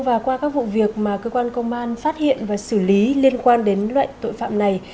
và qua các vụ việc mà cơ quan công an phát hiện và xử lý liên quan đến loại tội phạm này